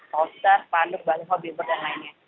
poster panduk balik hobi berbagai lainnya